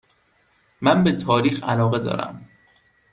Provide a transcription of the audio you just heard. من به تاریخ علاقه دارم.